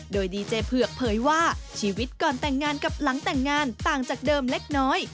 โดยดีเจเผือกเผยว่าชีวิตก่อนแต่งงานกับหลังแต่งงานต่างจากเดิมเล็กน้อย